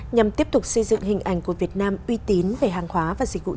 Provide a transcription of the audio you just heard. nhằm tiếp tục xây dựng hình ảnh của việt nam uy tín về hàng khoáng